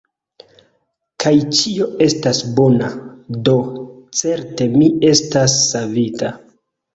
Kaj ĉio estas bona; do certe mi estas savita!